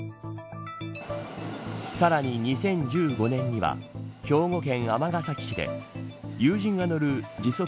さらに２０１５年には兵庫県尼崎市で友人が乗る時速